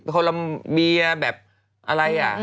โคลัมเบียแบบอะไรอ่ะ